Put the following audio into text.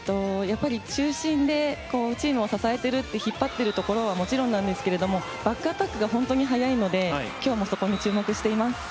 中心でチームを支えている引っ張っているところはもちろんなんですがバックアタックが本当に速いので今日もそこに注目しています。